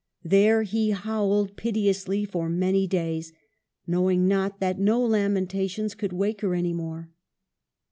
There he howled piteously for many days ; knowing not that no lamentations could wake her any more.